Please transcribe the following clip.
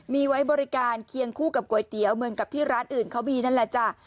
มีไว้บริการเคียงคู่กับก๋วยเตี๋ยวเหมือนกับที่ร้านอื่นเขามีนั่นแหละจ้ะ